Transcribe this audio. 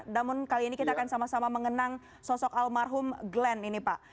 namun kali ini kita akan sama sama mengenang sosok almarhum glenn ini pak